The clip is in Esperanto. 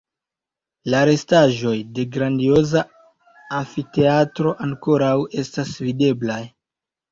La restaĵoj de grandioza amfiteatro ankoraŭ estas videblaj.